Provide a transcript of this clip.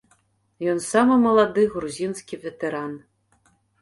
Ён самы малады грузінскі ветэран.